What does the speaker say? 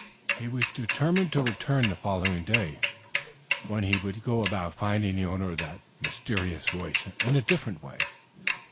He was determined to return on the following day, when he would go about finding the owner of the mysterious voice in a different way.